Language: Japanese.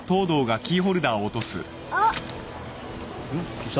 どうした？